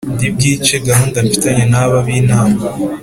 ndi bwice gahunda mfitanye na ba binama.